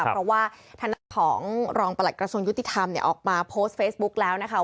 เพราะว่าทางด้านของรองประหลัดกระทรวงยุติธรรมออกมาโพสต์เฟซบุ๊กแล้วนะคะ